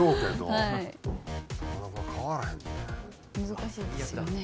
難しいですよね。